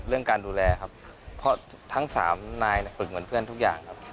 การดูแลครับเพราะทั้งสามนายฝึกเหมือนเพื่อนทุกอย่างครับ